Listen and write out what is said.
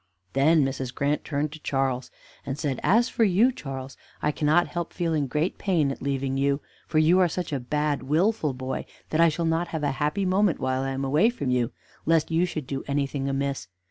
Then Mrs. Grant turned to Charles, and said: "As for you, Charles, I cannot help feeling great pain at leaving you; for you are such a bad, wilful boy that I shall not have a happy moment while I am away from you, lest you should do anything amiss.